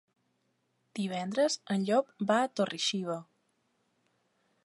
Divendres en Llop va a Torre-xiva.